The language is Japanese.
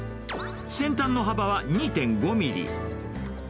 先端の幅は２．５ミリ。